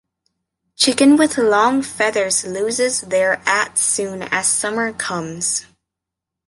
Chicken with long feathers loses their at soon as summer comes.